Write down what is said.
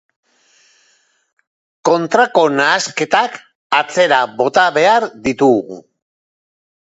Kontrako nahasketak atzera bota behar ditugu.